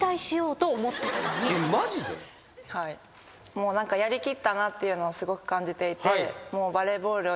もうやり切ったなっていうのをすごく感じていて。